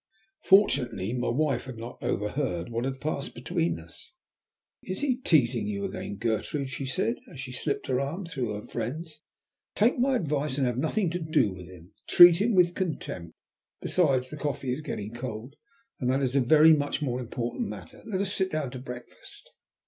Fortunately my wife had not overheard what had passed between us. "Is he teasing you again, Gertrude?" she said, as she slipped her arm through her friend's. "Take my advice and have nothing to do with him. Treat him with contempt. Besides, the coffee is getting cold, and that is a very much more important matter. Let us sit down to breakfast."